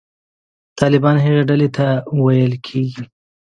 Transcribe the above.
طالبان هغې ډلې ته ویل کېږي.